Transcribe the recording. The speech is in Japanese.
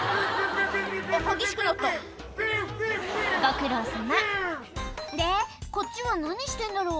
あっ激しくなったご苦労さまでこっちは何してんだろう？